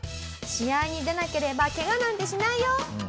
試合に出なければケガなんてしないよ！